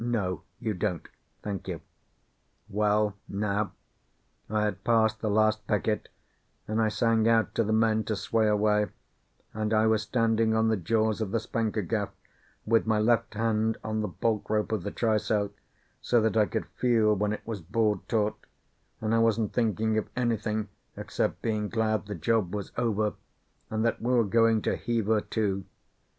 No, you don't. Thank you. Well now, I had passed the last becket, and I sang out to the men to sway away, and I was standing on the jaws of the spanker gaff, with my left hand on the bolt rope of the trysail, so that I could feel when it was board taut, and I wasn't thinking of anything except being glad the job was over, and that we were going to heave her to.